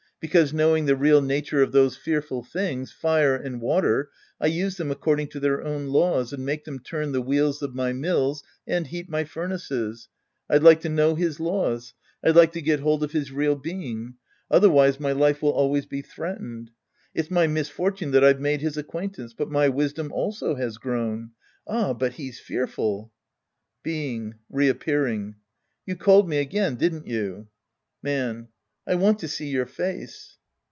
Because, knowing the real nature of those fearful things, fire and water, I use them according to their own laws and make' them turn the wheels of my mills and heat my furnaces. I'd like to know his laws. I'd like to get hold of his reaLbeing. Otherwise my life will always be threaten ed. It's my misfortune that I've made his acquaint ance. But my wisdom also has grown. Ah, but he's fearful ! Being {reappearing). You called me again, didn't you? ^ Man. I want to see your face.